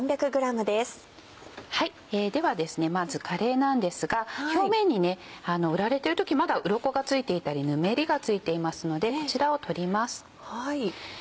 ではですねまずかれいなんですが表面に売られてる時まだうろこが付いていたりぬめりが付いていますのでこちらを取ります。